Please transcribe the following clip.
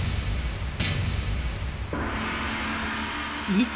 いざ！